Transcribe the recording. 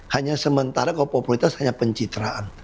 hanya sementara kalau populitas hanya pencitraan